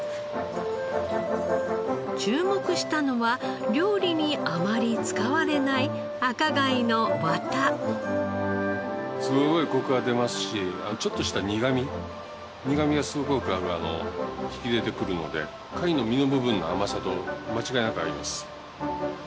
注目したのは料理にあまり使われないすごいコクが出ますしちょっとした苦み苦みがすごく引き出てくるので貝の身の部分の甘さと間違いなく合います。